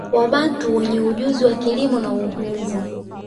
Wabantu wenye ujuzi wa kilimo na uhunzi